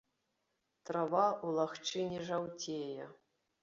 Трава ў лагчыне жаўцее.